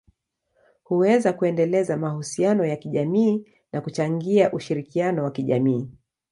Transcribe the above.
huweza kuendeleza mahusiano ya kijamii na kuchangia ushirikiano wa kijamii.